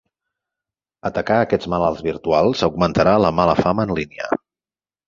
Atacar a aquests malvats virtuals augmentarà la mala fama en línia.